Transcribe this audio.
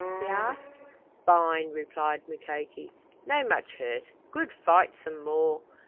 he asked. "Fine!" replied Mukoki. "No much hurt. Good fight some more.